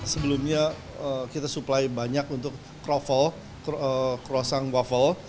sebelumnya kita supply banyak untuk croffle croissant waffle